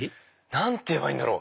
何て言えばいいんだろう？